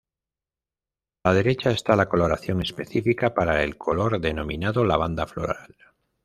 A la derecha está la coloración específica para el color denominado lavanda floral.